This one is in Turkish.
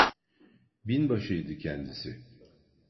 Binbaşıydı kendisi…